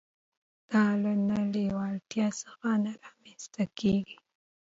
دا له نه لېوالتيا څخه نه رامنځته کېږي.